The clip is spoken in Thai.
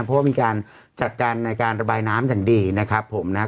เพราะว่ามีการจัดการในการระบายน้ำอย่างดีนะครับผมนะครับ